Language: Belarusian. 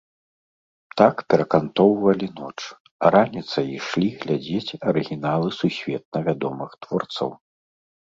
Так перакантоўвалі ноч, а раніцай ішлі глядзець арыгіналы сусветна вядомых творцаў.